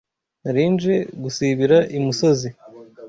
Nari nje gusibira i Musozi.